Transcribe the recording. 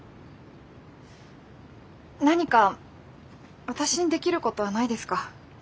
何か私にできることはないですか？